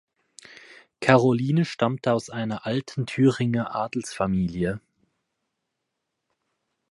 Caroline stammte aus einer alten Thüringer Adelsfamilie.